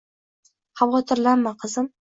Xavotirlanma, qizim